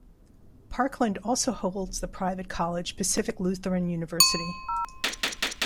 Parkland also holds the private college Pacific Lutheran University.